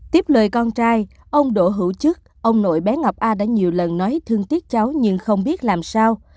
tiếp lời con trai ông đỗ hữu chức ông nội bé ngọc a đã nhiều lần nói thương tiếc cháu nhưng không biết làm sao